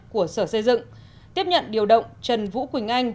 của sở xây dựng tiếp nhận điều động trần vũ quỳnh anh